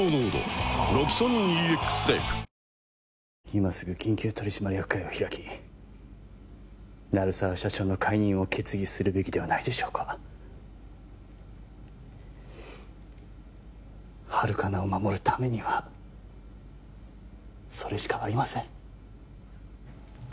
今すぐ緊急取締役会を開き鳴沢社長の解任を決議するべきではないでしょうかハルカナを守るためにはそれしかありません